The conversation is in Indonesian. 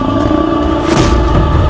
radem long cantik